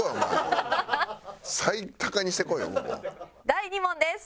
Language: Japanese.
第２問です。